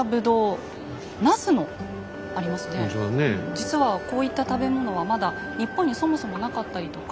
実はこういった食べ物はまだ日本にそもそもなかったりとか。